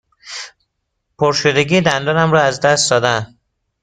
پرشدگی دندانم را از دست داده ام.